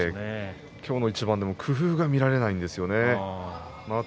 今日の一番でも工夫が見られないんですよね。